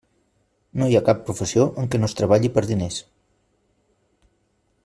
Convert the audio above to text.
No hi ha cap professió en què no es treballi per diners.